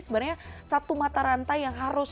sebenarnya satu mata rantai yang harus